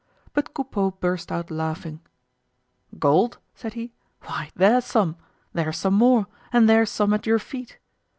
But Coupeau burst out laughing. "Gold?" said he; "why there's some; there's some more, and there's some at your feet!"